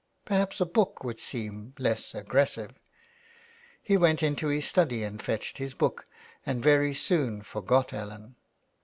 Perhaps a book would seem less aggressive." He went into his study and fetched his book, and very soon forgot Ellen.